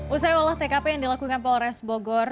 usai olah tkp yang dilakukan polres bogor